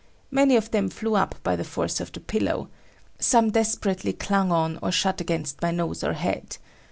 Many of them flew up by the force of the pillow; some desperately clung on or shot against my nose or head.